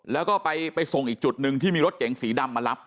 แล้วก็ไปส่งอีกจุดหนึ่งที่มีรถเก๋งสีดำมารับ